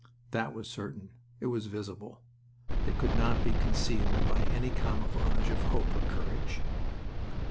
That was certain. It was visible. It could not be concealed by any camouflage of hope or courage.